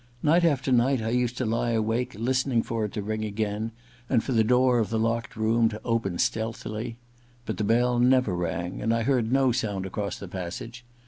Night after night I used to lie awake, listening ror it to ring again, and for the door of the locked room to open stealthily. But the bell never rang, and I heard no sound across the passage.